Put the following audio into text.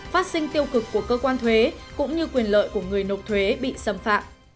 phát sinh tiêu cực của cơ quan thuế cũng như quyền lợi của người nộp thuế bị xâm phạm